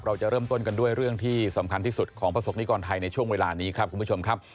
เราจะเริ่มต้นกันด้วยเรื่องที่สำคัญที่สุดของประสบนิกรไทยในช่วงเวลานี้ครับคุณผู้ชมครับ